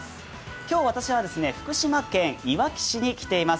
今日、私は福島県いわき市に来ています。